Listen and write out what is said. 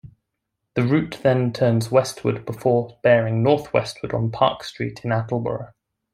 The route then turns westward before bearing northwestward on Park Street into Attleboro.